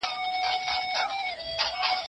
د خلکو باور په هغه کورس باندې ورځ تر بلې زیاتېده.